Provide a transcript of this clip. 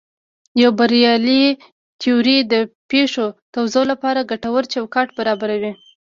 یوه بریالۍ تیوري د پېښو توضیح لپاره ګټور چوکاټ برابروي.